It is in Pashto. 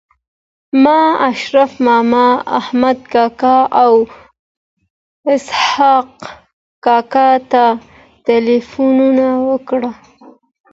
ما شريف ماما احمد کاکا او اسحق کاکا ته ټيليفونونه وکړل